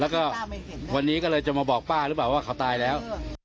แล้วก็วันนี้ก็เลยจะมาบอกป้าหรือเปล่าว่าเขาตายแล้ว